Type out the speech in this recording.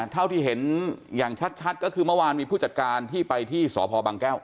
เท่าที่เห็นอย่างชัดก็คือเมื่อวานมีผู้จัดการที่ไปที่สพบังแก้ว